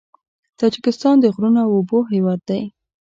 تاجکستان د غرونو او اوبو هېواد دی.